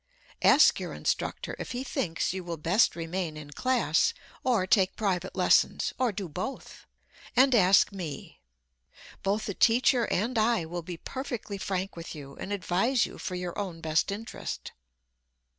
Ask your instructor if he thinks you will best remain in class, or take private lessons, or do both. And ask me. Both the teacher and I will be perfectly frank with you and advise you for your own best interest.